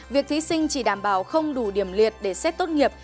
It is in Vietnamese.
việc thí sinh chỉ đảm bảo không đủ điểm liệt để xét tốt nghiệp